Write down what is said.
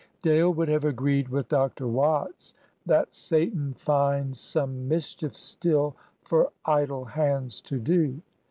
Dale would have agreed with Dr. Watts that Satan finds some mischief still Por idle hands to do!